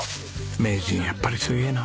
名人やっぱりすげえな。